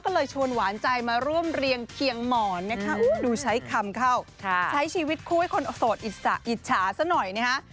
ก็เลยชวนหวานใจมาร่วมเรียงเคียงหมอนนะคะดูใช้คำเข้าใช้ชีวิตคู่ให้คนโสดอิสระอิจฉาซะหน่อยนะฮะ